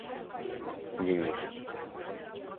Денис